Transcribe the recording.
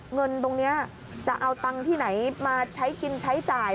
เงินตรงนี้จะเอาตังค์ที่ไหนมาใช้กินใช้จ่าย